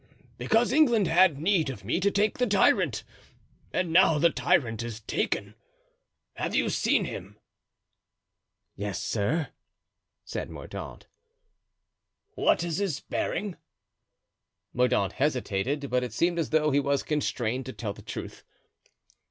"Because England had need of me to take the tyrant, and now the tyrant is taken. Have you seen him?" "Yes, sir." said Mordaunt. "What is his bearing?" Mordaunt hesitated; but it seemed as though he was constrained to tell the truth.